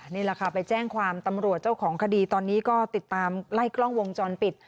นี่แหละค่ะไปแจ้งความตำรวจเจ้าของคดีตอนนี้ก็ติดตามไล่กล้องวงจรปิด